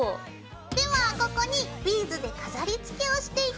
ではここにビーズで飾りつけをしていきます。